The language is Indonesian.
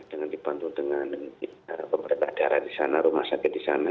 dengan dibantu dengan pemerintah daerah di sana rumah sakit di sana